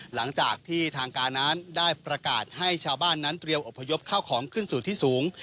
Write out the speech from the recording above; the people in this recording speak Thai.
หลังจากที่ทางการนั้นได้ประกาศให้ชาวบ้านนั้นเตรียมอบพยพเข้าของขึ้นสู่ที่สูง